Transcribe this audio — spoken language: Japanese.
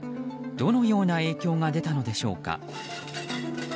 どのような影響が出たのでしょうか。